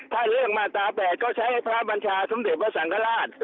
ถ้าเรื่องมาตรา๘ก็ใช้พระบัญชาสมเด็จพระสังฆราช